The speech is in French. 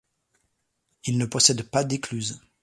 Il ne possède pas d'écluses.